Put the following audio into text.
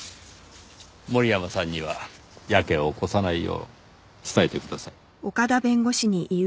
森山さんにはやけを起こさないよう伝えてください。